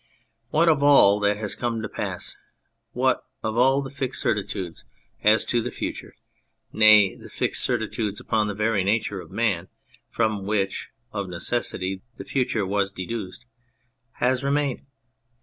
What of all that has come to pass ? What of all the fixed certi tudes as to the future nay, the fixed certitudes upon the very nature of man from which, as of necessity, the future was deduced, has remained